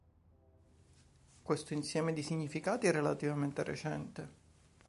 Questo insieme di significati è relativamente recente.